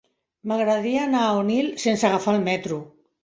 M'agradaria anar a Onil sense agafar el metro.